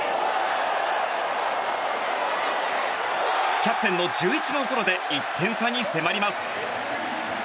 キャプテンの１１号ソロで１点差に迫ります。